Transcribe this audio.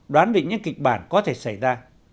đoán định những kịch bản có thể xảy ra